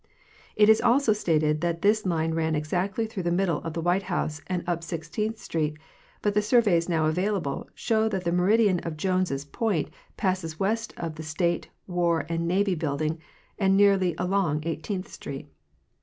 It is also stated that this line ran exactly through the middle of the White House and up Sixteenth street, but the surveys now available show that the meridian of Jones point passes west of the State, War, and Navy building and nearly along Highteenth street.